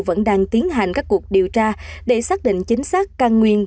vẫn đang tiến hành các cuộc điều tra để xác định chính xác